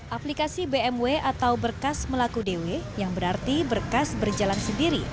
aplikasi bmw atau berkas melaku dw yang berarti berkas berjalan sendiri